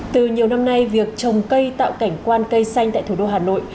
từ nhiều năm nay việc trồng cây tạo cảnh quan cây xanh tại thủ đô hà nội